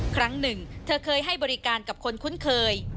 ครั้งหนึ่งเธอเคยให้บริการกับคนคุ้นเคย